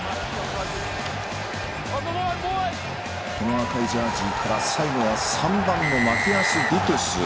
赤いジャージから最後は３番のマティアス・ディトゥス。